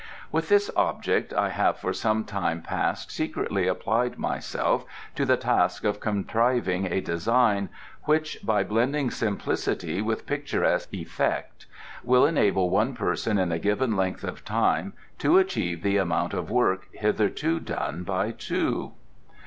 With this object I have for some time past secretly applied myself to the task of contriving a design which, by blending simplicity with picturesque effect, will enable one person in a given length of time to achieve the amount of work hitherto done by two."